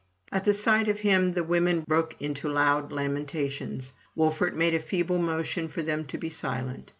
At the sight of him the women broke into loud lamen tations. Wolfert made a feeble motion for them to be silent.